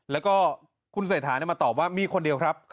แล้วก็คุณเศรษฐามาตอบว่ามีคนเดียวครับ